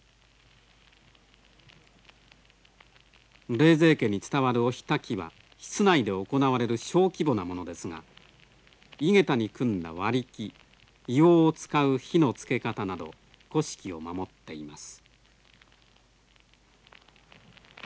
冷泉家に伝わるお火たきは室内で行われる小規模なものですが井桁に組んだ割り木硫黄を使う火のつけ方など古式を守っています。